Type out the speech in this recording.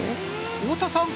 大田さん